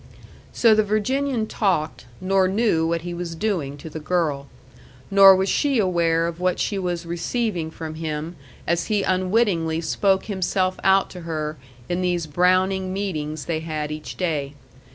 So the Virginian talked, nor knew what he was doing to the girl. Nor was she aware of what she was receiving from him as he unwittingly spoke himself out to her in these Browning meetings they had each day.